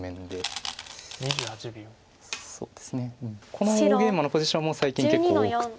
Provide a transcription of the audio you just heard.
この大ゲイマのポジションも最近結構多くて。